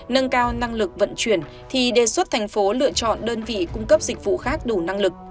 nâng cao năng lực vận chuyển thì đề xuất thành phố lựa chọn đơn vị cung cấp dịch vụ khác đủ năng lực